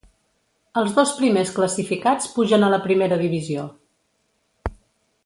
Els dos primers classificats pugen a la primera divisió.